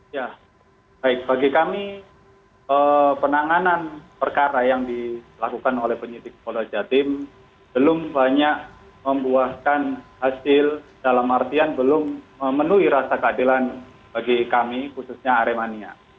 ya baik bagi kami penanganan perkara yang dilakukan oleh penyidik polda jatim belum banyak membuahkan hasil dalam artian belum memenuhi rasa keadilan bagi kami khususnya aremania